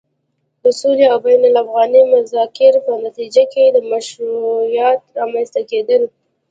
د سولې او بين الافغاني مذاکرې په نتيجه کې د مشروعيت رامنځته کېدل